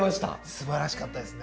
すばらしかったですね。